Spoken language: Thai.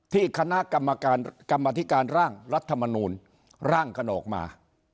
ที่คณะกรรมการกรรมธิการร่างรัฐมนูลร่างกันออกมา